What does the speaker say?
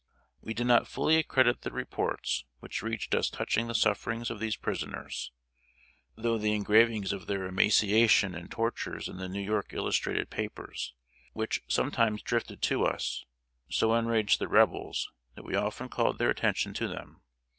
We did not fully accredit the reports which reached us touching the sufferings of these prisoners, though the engravings of their emaciation and tortures in the New York illustrated papers, which sometimes drifted to us, so enraged the Rebels, that we often called their attention to them.